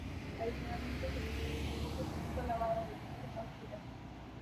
Adicionalmente, se les investigó por supuesto lavado de dinero y conspiración.